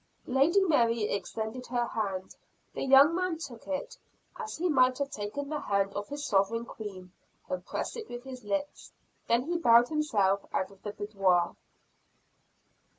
Lady Mary extended her hand; the young man took it, as he might have taken the hand of his sovereign Queen, and pressed it with his lips. Then he bowed himself out of the boudoir.